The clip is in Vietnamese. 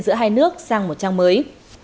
giữa hai nước sang một trang mới